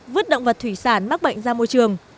vứt động vật thủy sản mắc bệnh ra môi trường